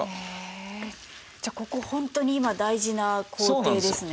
じゃあここホントに今大事な工程ですね。